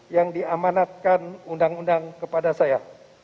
yang diamanatkan undang undang kepada saya